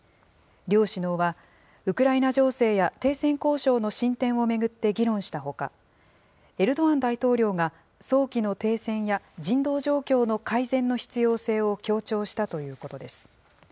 両首脳は、ウクライナ情勢や停戦交渉の進展を巡って議論したほか、エルドアン大統領が早期の停戦や人道状況の改善の必要性を強調したということです。